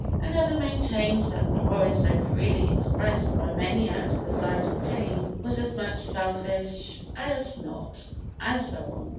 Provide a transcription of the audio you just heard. Another maintained that the horror so freely expressed by many at the sight of pain was as much selfish as not—and so on.